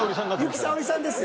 由紀さおりさんですよ。